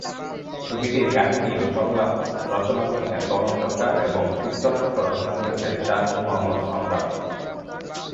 ছবিটির কাহিনী ও সংলাপ রচনা করেছেন কমল সরকার এবং চিত্রনাট্য রচনা করেছেন শাহ মোহাম্মদ সংগ্রাম।